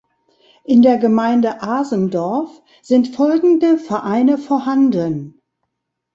In der Gemeinde Asendorf sind folgende Vereine vorhanden.